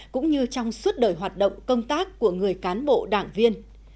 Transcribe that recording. cũng như trong suốt đời hoạt động công tác của người cán bộ đảng viên